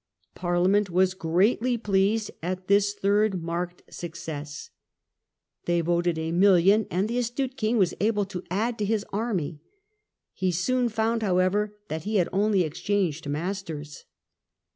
Parliament was greatly pleased at this third marked success. They voted a mil lion, and the astute king was able to add to his army. He soon found, however, that he had only exchanged masters.